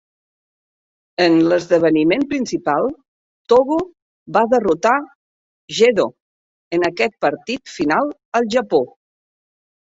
En l'esdeveniment principal, Togo va derrotar Gedo en aquest partit final al Japó.